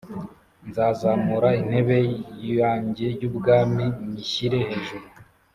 Nzazamura intebe yanjye y ubwami nyishyire hejuru